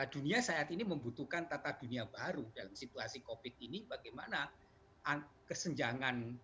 dunia saat ini membutuhkan tata dunia baru dalam situasi covid ini bagaimana kesenjangan